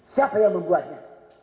siapa yang membuatnya